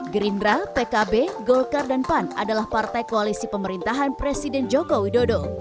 gerindra pkb golkar dan pan adalah partai koalisi pemerintahan presiden joko widodo